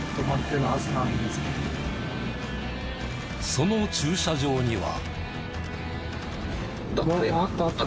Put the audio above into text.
その駐車場には。